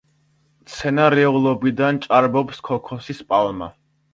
მცენარეულობიდან ჭარბობს ქოქოსის პალმა.